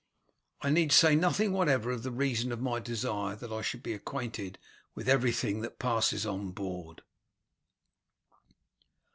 I need say nothing whatever of the reason of my desire that I should be acquainted with everything that passes on board."